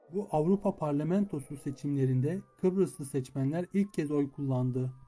Bu Avrupa Parlamentosu seçimlerinde Kıbrıslı seçmenler ilk kez oy kullandı.